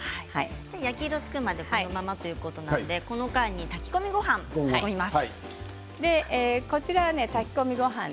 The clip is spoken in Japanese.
焼き色がつくまでこのままということなので、この間に炊き込みごはんを作ります。